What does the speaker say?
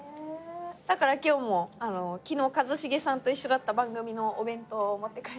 だから今日も昨日一茂さんと一緒だった番組のお弁当を持って帰って。